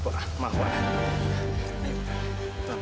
kalau mereka masuk ke jakarta semangat dahulu